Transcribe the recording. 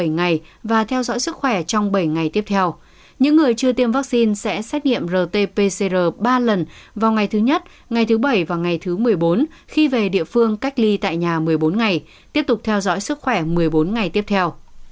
những người chưa tiêm vắc xin sẽ xét nghiệm rt pcr ba lần vào ngày thứ nhất ngày thứ bảy và ngày thứ một mươi bốn khi về địa phương cách ly tại nhà một mươi bốn ngày tiếp tục theo dõi sức khỏe một mươi bốn ngày tiếp theo